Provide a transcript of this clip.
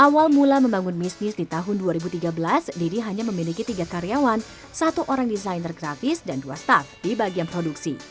awal mula membangun bisnis di tahun dua ribu tiga belas didi hanya memiliki tiga karyawan satu orang desainer grafis dan dua staff di bagian produksi